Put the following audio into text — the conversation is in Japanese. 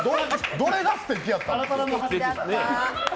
どれがすてきやったん！？